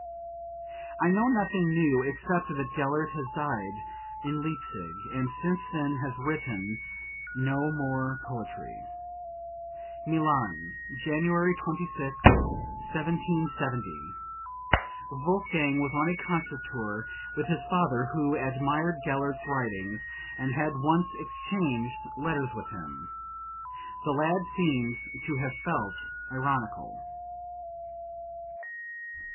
"I know nothing new except that Gellert has died in Leipsic and since then has written no more poetry." (Milan, January 26, 1770. Wolfgang was on a concert tour with his father who admired Gellert's writings and had once exchanged letters with him. The lad seems to have felt ironical.)